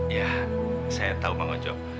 ya saya tahu mang ojo